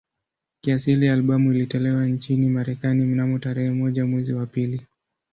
Kiasili albamu ilitolewa nchini Marekani mnamo tarehe moja mwezi wa pili